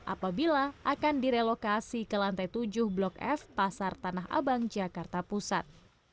apabila akan direlokasi ke lantai tujuh blok f pasar tanah abang jakarta pusat